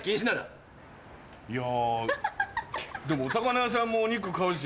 いやでもお魚屋さんもお肉買うし。